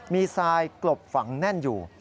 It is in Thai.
มีทรายกลบฝังแน่นอยู่